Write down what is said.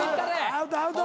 アウトアウト。